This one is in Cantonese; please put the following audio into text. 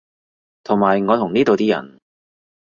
同埋我同呢度啲人